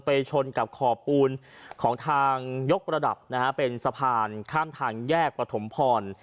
ชนกับขอบปูนของทางยกระดับนะฮะเป็นสะพานข้ามทางแยกปฐมพร